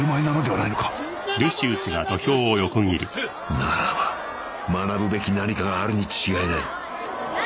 ならば学ぶべき何かがあるに違いない何だぁ？